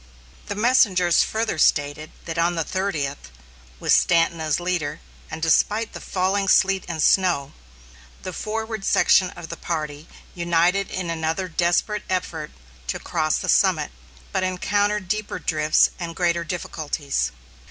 The messengers further stated that on the thirtieth, with Stanton as leader, and despite the falling sleet and snow, the forward section of the party united in another desperate effort to cross the summit, but encountered deeper drifts and greater difficulties.